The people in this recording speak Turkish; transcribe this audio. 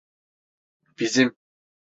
Bizim…